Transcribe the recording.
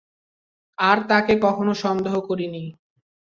আর তাকে কখনো সন্দেহ করিনি।